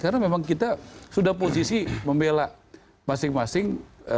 karena memang kita sudah posisi membelah masing masing